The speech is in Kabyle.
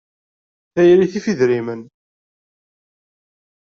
Tayri tif idrimen.